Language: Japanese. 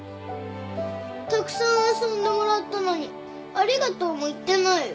たくさん遊んでもらったのにありがとうも言ってないよ。